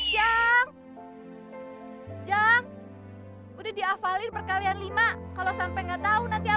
yang jahat udah diafalin berkalian lima kalau sampai enggak tahu nanti aku marah